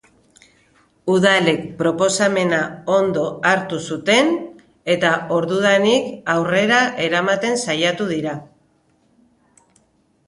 Udalek proposamena ondo hartu zuten, eta ordudanik aurrera eramaten saiatu dira.